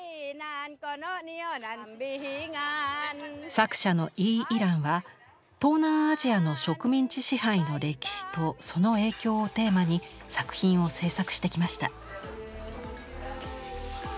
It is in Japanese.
作者のイー・イランは東南アジアの植民地支配の歴史とその影響をテーマに作品を制作してきました。